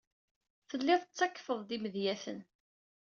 Tellid tettakfed-d imedyaten.